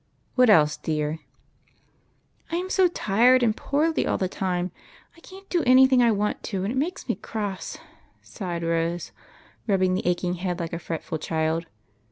What else, dear?" " I am so tired and poorly all the time, I can't do any thing I want to, and it makes me cross," sighed Rose, rubbing the aching head like a fretful child.